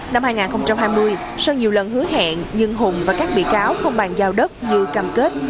năm hai nghìn hai mươi sau nhiều lần hứa hẹn nhưng hùng và các bị cáo không bàn giao đất như cam kết